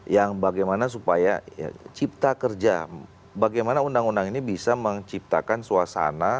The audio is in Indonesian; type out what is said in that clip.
yang bagaimana supaya cipta kerja bagaimana undang undang ini bisa menciptakan suasana